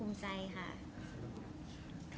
ภูมิใจค่ะ